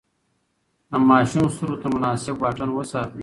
د ماشوم سترګو ته مناسب واټن وساتئ.